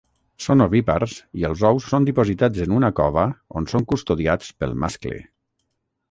Són ovípars i els ous són dipositats en una cova on són custodiats pel mascle.